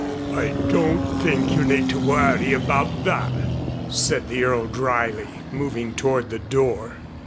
"I don't think you need worry about that," said the Earl dryly, moving toward the door.